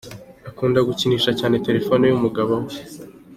Akunda gukinisha cyane telephone y’umugabo we :.